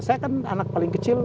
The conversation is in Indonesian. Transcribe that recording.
saya kan anak paling kecil